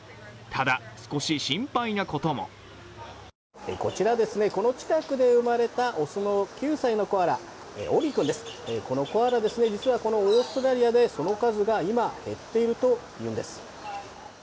ただ、少し心配なこともこちら、この近くで生まれた雄の９歳のコアラオリー君です、このコアラ実はオーストラリアでその数が今、減っているというんです。